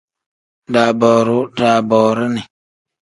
Daabooruu pl: daaboorini n.